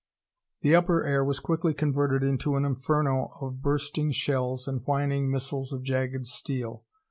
The upper air was quickly converted into an inferno of bursting shells and whining missiles of jagged steel.